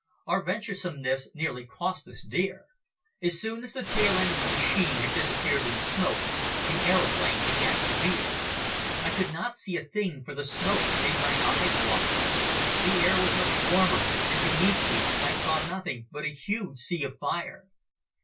Our venturesomeness nearly cost us dear. As soon as the tail end of the machine had disappeared in the smoke the aeroplane began to reel. I could not see a thing for the smoke made my eyes water. The air was much warmer and beneath me I saw nothing but a huge sea of fire.